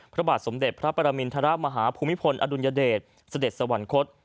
พระบาทสมเด็จพระปรมินทรมาฮภูมิพลอดุลยเดชเสด็จสวรรคต